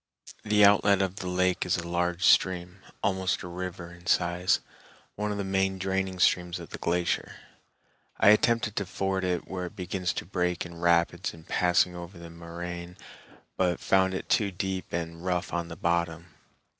The outlet of the lake is a large stream, almost a river in size, one of the main draining streams of the glacier. I attempted to ford it where it begins to break in rapids in passing over the moraine, but found it too deep and rough on the bottom.